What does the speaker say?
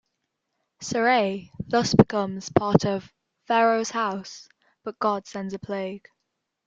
Sarai thus becomes part of "Pharaoh's house", but God sends a plague.